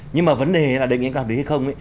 nhưng mà vấn đề là đề nghị anh cần xử lý hay không